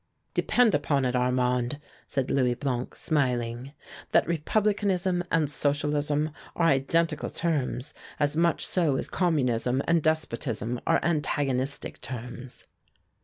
"Depend upon it, Armand," said Louis Blanc, smiling, "that Republicanism and Socialism are identical terms, as much so as Communism and despotism are antagonistic terms."